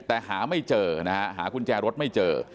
แต่หาไม่เจอนะฮะหากุญแจรถไม่เจอ